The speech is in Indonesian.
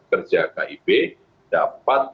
kerja kib dapat